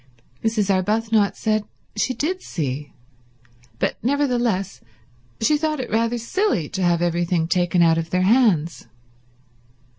Mrs. Arbuthnot said she did see, but nevertheless she thought it rather silly to have everything taken out of their hands.